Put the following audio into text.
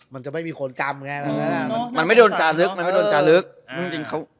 มันจะไม่มีคนจำไงมันไม่โดนจารึก